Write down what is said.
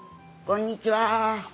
こんにちは。